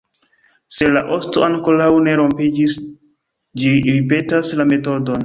Se la osto ankoraŭ ne rompiĝis, ĝi ripetas la metodon.